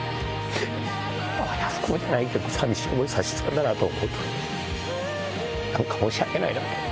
親不孝じゃないけど、寂しい思いさせてたんだなと思うと、なんか申し訳ないなと。